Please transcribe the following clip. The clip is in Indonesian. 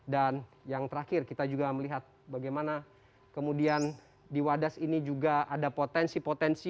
dan yang terakhir kita juga melihat bagaimana kemudian di wadas ini juga ada potensi potensi